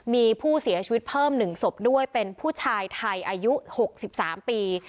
มีผู้เสียชีวิตเพิ่ม๑ศพด้วยเป็นผู้ชายไทยอายุ๖๓ปี